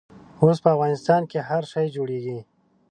اوس په افغانستان کښې هر شی جوړېږي.